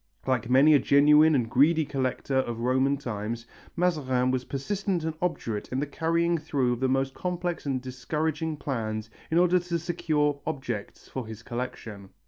Like many a genuine and greedy collector of Roman times, Mazarin was persistent and obdurate in the carrying through of the most complex and discouraging plans in order to secure objects for his collection.